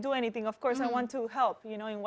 menangis tidak akan melakukan apa apa